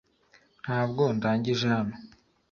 Ntabwo ndangije hano .